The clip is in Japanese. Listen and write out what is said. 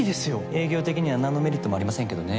営業的には何のメリットもありませんけどね。